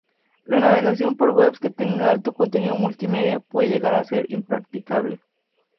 La navegación por webs que tengan alto contenido multimedia puede llegar a ser impracticable.